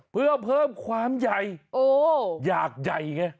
เพื่อเพิ่มความใหญ่อยากใหญ่ไง